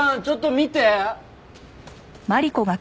ちょっと見て。